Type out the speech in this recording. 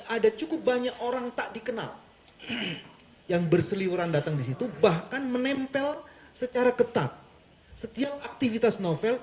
ada cukup banyak orang tak dikenal yang berseliuran datang di situ bahkan menempel secara ketat setiap aktivitas novel